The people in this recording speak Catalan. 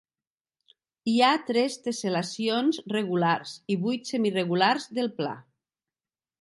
Hi ha tres tessel·lacions regulars i vuit semiregulars del pla.